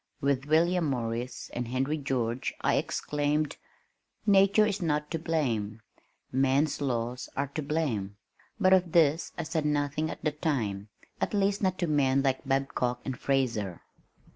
With William Morris and Henry George I exclaimed, "Nature is not to blame. Man's laws are to blame," but of this I said nothing at the time at least not to men like Babcock and Fraser.